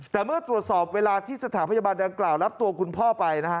แต่เมื่อตรวจสอบเวลาที่สถานพยาบาลดังกล่าวรับตัวคุณพ่อไปนะฮะ